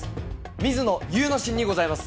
水野祐之進にございます。